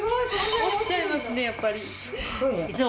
落ちちゃいますねやっぱり。